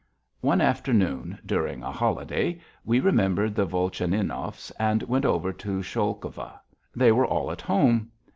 One afternoon, during a holiday, we remembered the Volchaninovs and went over to Sholkovka. They were all at home.